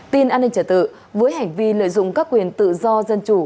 tin an ninh trở tự với hành vi lợi dụng các quyền tự do dân chủ